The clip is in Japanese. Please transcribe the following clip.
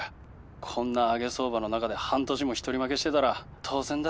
こんな上げ相場の中で半年も一人負けしてたら当然だ。